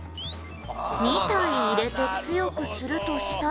「２体入れて強くするとしたらか」